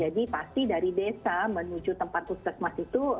jadi pasti dari desa menuju tempat puskesmas itu